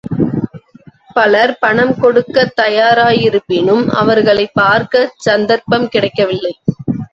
பலர் பணம் கொடுக்கத் தயாராயிருப்பினும், அவர்களைப் பார்க்கச் சந்தர்ப்பம் கிடைக்கவில்லை.